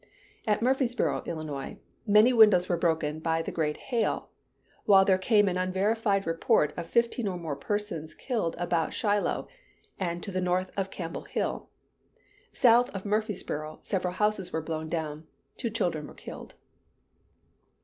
At Murphysboro, Illinois, many windows were broken by the great hail; while there came an unverified report of fifteen or more persons killed about Shiloh, and to the north of Campbell Hill. South of Murphysboro, several houses were blown down; two children were killed.